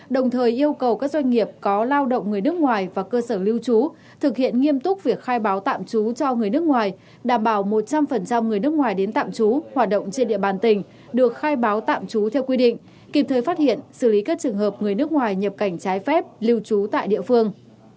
đồng thời yêu cầu các doanh nghiệp có lao động người nước ngoài và cơ sở lưu trú thực hiện nghiêm túc việc khai báo tạm trú cho người nước ngoài đảm bảo một trăm linh người nước ngoài đến tạm trú hoạt động trên địa bàn tỉnh được khai báo tạm trú theo quy định kịp thời phát hiện xử lý các trường hợp người nước ngoài nhập cảnh trái phép lưu trú tại địa phương